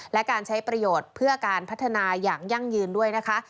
และการใช้ประโยชน์เพื่อการพัฒนาอย่างยั่งยืนด้วยนะคะ